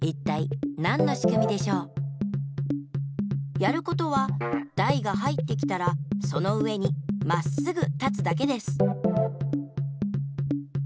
やることはだいが入ってきたらその上にまっすぐ立つだけです。